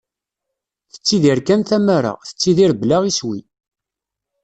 Tettidir kan tamara, tettidir bla iswi.